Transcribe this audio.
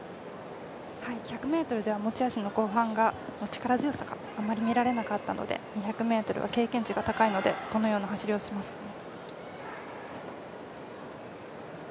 １００ｍでは持ち味の後半力強さ、後半に見られなかったので２００ｍは経験値が高いので、どのような走りをしますかね。